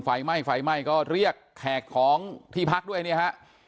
ไฟไหม้ไฟไหม้ก็เรียกแขกของที่พักด้วยเนี่ยฮะ